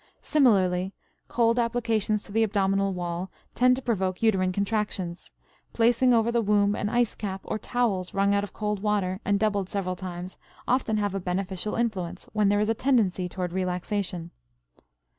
Similarly, cold applications to the abdominal wall tend to provoke uterine contractions; placing over the womb an ice cap or towels wrung out of cold water and doubled several times often have a beneficial influence when there is a tendency toward relaxation.